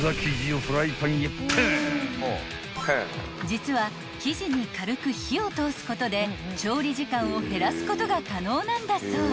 ［実は生地に軽く火を通すことで調理時間を減らすことが可能なんだそう］